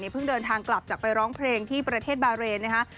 เพิ่งเดินทางกลับจากไปร้องเพลงที่ประเทศบาเรนนะคะ